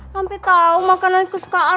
sampai tau makanan kesukaan